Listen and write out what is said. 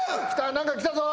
何か来たぞ。